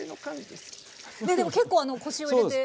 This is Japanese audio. でも結構腰を入れて。